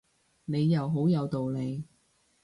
你又好有道理